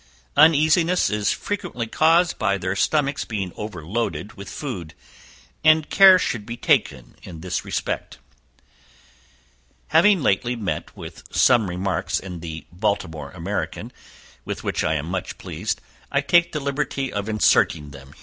Uneasiness is frequently caused by their stomachs being overloaded with food, and care should be taken in this respect. Having lately met with some remarks in the "Baltimore American," with which I am much pleased, I take the liberty of inserting them.